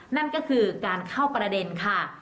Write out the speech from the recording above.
นั่นก็คือการเข้าประเด็นค่ะ